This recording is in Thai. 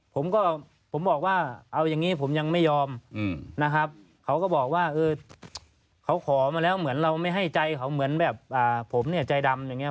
ผมก็ผมบอกว่าเอาอย่างนี้ผมยังไม่ยอมนะครับเขาก็บอกว่าเออเขาขอมาแล้วเหมือนเราไม่ให้ใจเขาเหมือนแบบผมเนี่ยใจดำอย่างนี้